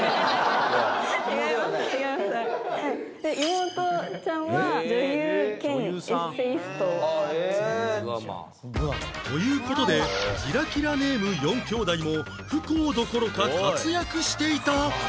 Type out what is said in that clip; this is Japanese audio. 妹ちゃんはという事でキラキラネーム４兄妹も不幸どころか活躍していた